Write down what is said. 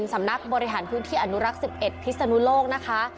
สำนักบริหารพื้นที่อนุรักษ์๑๑พิศนุโลกนะคะ